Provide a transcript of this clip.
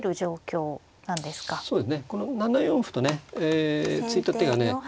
そうですね７四歩とね突いた手がね